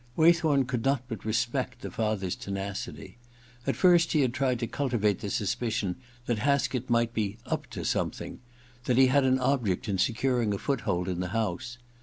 Waythorn could not but respect the father*s tenacity. At first he had tried to cultivate the suspicion that Haskett might be ^up to' something, that he had an object in securing a foothold in the house.